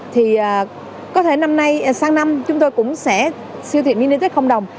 thì có thể năm nay sáng năm chúng tôi cũng sẽ siêu thiện mini tết không đồng